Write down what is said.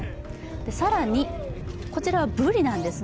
更にこちらはブリなんですね。